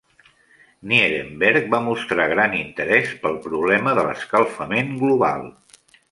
Nierenberg va mostrar gran interès pel problema de l'escalfament global.